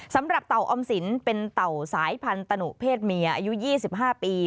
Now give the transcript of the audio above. สำหรับเต่าออมศิลป์เป็นเต่าสายพันธุ์ตนุเพศเมียอายุ๒๕ปี